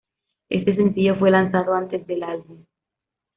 Este sencillo fue lanzado antes del álbum.